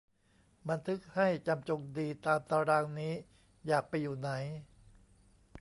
บันทึกให้จำจงดี ตามตารางนี้ อยากไปอยู่ไหน